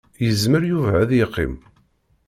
Yezmer Yuba ad yeqqim.